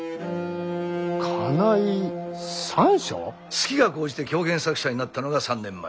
好きが高じて狂言作者になったのが３年前。